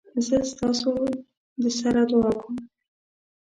زه ستاسودسر دعاکوم